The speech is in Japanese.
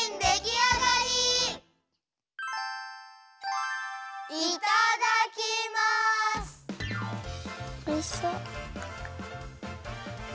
おいしそう。